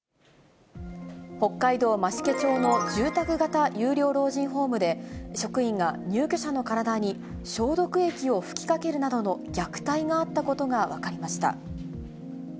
北海道増毛町の住宅型有料老人ホームで、職員が入居者の体に消毒液を吹きかけるなどの虐待があったことが分かりました。